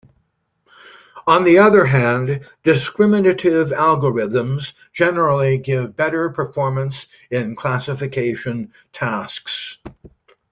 On the other hand, discriminative algorithms generally give better performance in classification tasks.